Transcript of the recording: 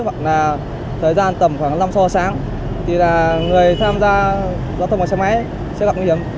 hoặc là thời gian tầm khoảng năm giờ sáng thì là người tham gia giao thông bằng xe máy sẽ gặp nguy hiểm